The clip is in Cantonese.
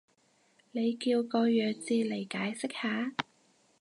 你叫個弱智嚟解釋下